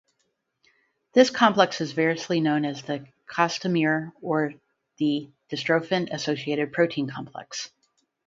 This complex is variously known as the costamere or the dystrophin-associated protein complex.